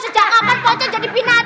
sejak kapan pocong jadi binatang